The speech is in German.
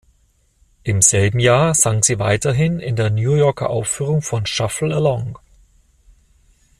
Im selben Jahr sang sie weiterhin in der New Yorker Aufführung von Shuffle Along.